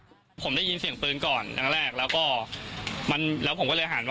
ออกมาพ่อก็ยิงตรงนั้นเลยครับ